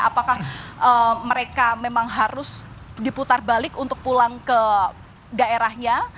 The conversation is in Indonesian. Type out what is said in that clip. apakah mereka memang harus diputar balik untuk pulang ke daerahnya